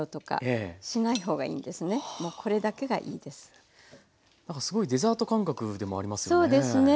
すごいデザート感覚でもありますよね。